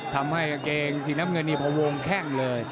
ทำให้เกงสิ่งน้ำเงินเนี่ยพอวงแข้งเลย